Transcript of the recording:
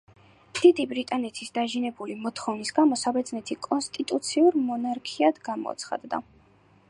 დიდი ბრიტანეთის დაჟინებული მოთხოვნის გამო საბერძნეთი კონსტიტუციურ მონარქიად გამოცხადდა.